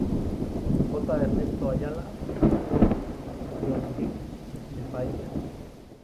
J. Ernesto Ayala-Dip, "El País".